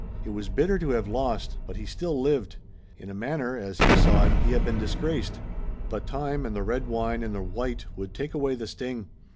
It was bitter to have lost, but he still lived. In a manner as he saw it, he had been disgraced, but time and the red wine and the white would take away the sting.